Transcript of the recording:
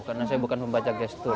karena saya bukan membaca gestur